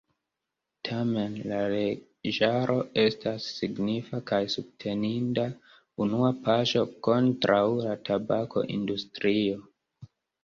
Tamen la leĝaro estas signifa kaj subteninda unua paŝo kontraŭ la tabako-industrio.